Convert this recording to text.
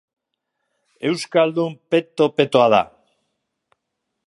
Euskaldun peto-petoa da.